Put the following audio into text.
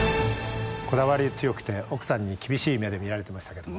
こだわり強くて奥さんに厳しい目で見られてましたけども。